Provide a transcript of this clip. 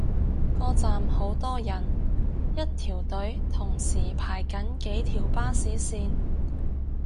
個站好多人，一條隊同時排緊幾條巴士線